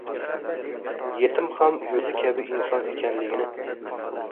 yetim ham o'zi kabi inson ekanligini